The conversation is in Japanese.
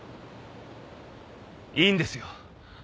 いいんですよ。